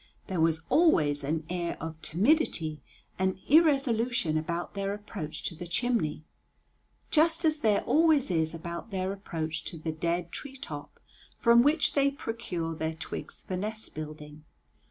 There was always an air of timidity and irresolution about their approach to the chimney, just as there always is about their approach to the dead tree top from which they procure their twigs for nest building.